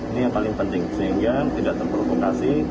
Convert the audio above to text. ini yang paling penting sehingga tidak terprovokasi